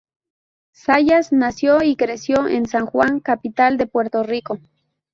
Zayas nació y creció en San Juan, capital de Puerto Rico.